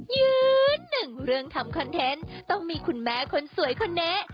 ยืนหนึ่งเรื่องทำคอนเทนต์ต้องมีคุณแม่คนสวยคนนี้